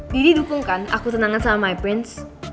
deddy dukung kan aku tunangan sama my prince